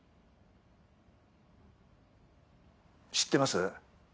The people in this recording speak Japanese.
知ってます？